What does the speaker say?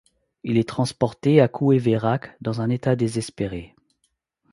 Il est transporté à Couhé-Vérac dans un état désespéré.